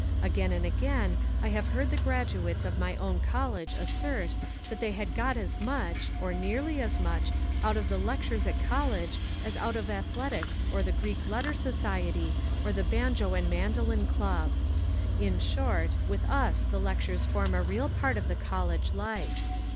Again and again I have heard the graduates of my own college assert that they had got as much, or nearly as much, out of the lectures at college as out of athletics or the Greek letter society or the Banjo and Mandolin Club. In short, with us the lectures form a real part of the college life.